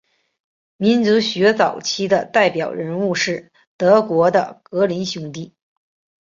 民俗学早期的代表人物是德国的格林兄弟。